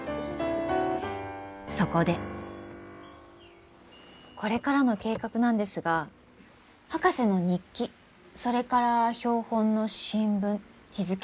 そこでこれからの計画なんですが博士の日記それから標本の新聞日付